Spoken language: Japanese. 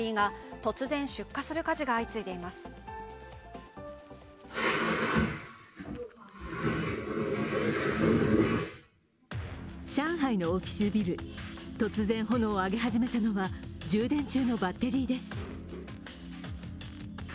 突然炎を上げ始めたのは充電中のバッテリーです。